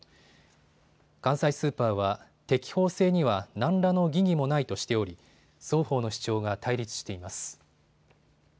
関西スーパーは適法性には何らの疑義もないとしており双方の主張が対立しています。